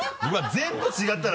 全部違ったら。